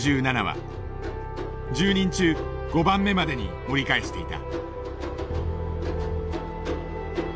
１０人中５番目までに盛り返していた。